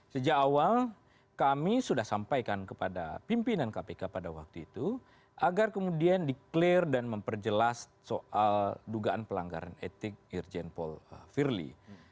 sejak awal kami sudah sampaikan kepada pimpinan kpk pada waktu itu agar kemudian di clear dan memperjelas soal dugaan pelanggaran etik irjen paul firly